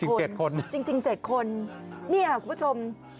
เนี่ยคุณผู้ชม